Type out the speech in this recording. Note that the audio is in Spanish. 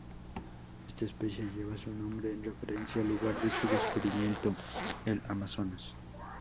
Esta especie lleva su nombre en referencia al lugar de su descubrimiento, el Amazonas.